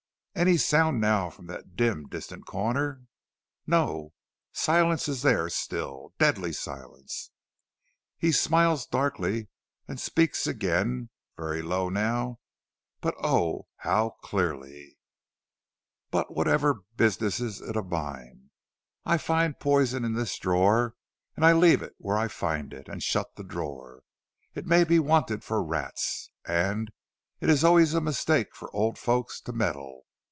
Any sound now from that dim, distant corner? No, silence is there still; deadly silence. He smiles darkly, and speaks again; very low now, but oh, how clearly! "But what business is it of mine? I find poison in this drawer, and I leave it where I find it, and shut the drawer. It may be wanted for rats, and it is always a mistake for old folks to meddle.